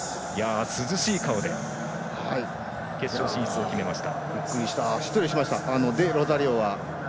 涼しい顔で決勝進出を決めました。